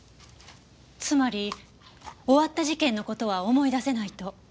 つまり終わった事件の事は思い出せないと？